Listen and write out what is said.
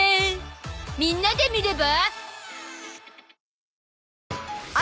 みんなで見れば？